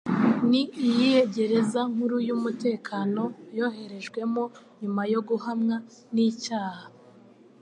Ni iyihe gereza nkuru y’umutekano yoherejwemo nyuma yo guhamwa n'icyaha?